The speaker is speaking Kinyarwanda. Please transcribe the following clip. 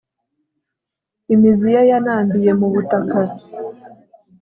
imizi ye yanambiye mu butaka